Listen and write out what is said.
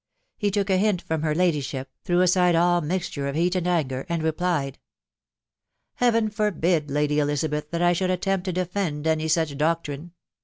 He took a hint 4rom Sher Myoaip, threw aside all mixture of lieat and auger, and vepiieei, —■»■" Heaven forbid, Lady Elisabeth, fhat I should attempt to ♦defend any such doctrine